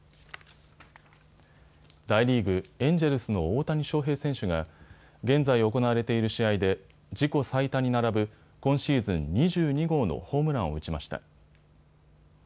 大リーグ、エンジェルスの大谷翔平選手が現在行われている試合で自己最多に並ぶ今シーズン２２号のホームランを打ちました。